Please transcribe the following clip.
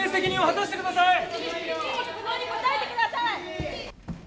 質問に答えてください！